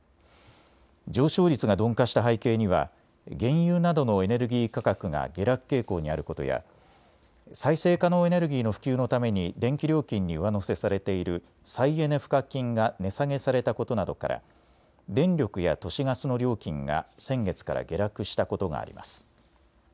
上昇率が鈍化した背景には原油などのエネルギー価格が下落傾向にあることや再生可能エネルギーの普及のために電気料金に上乗せされている再エネ賦課金が値下げされたことなどから電力や都市ガスの料金が先月から下落したことがあります。